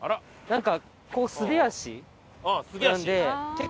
なんかこうすり足なんで。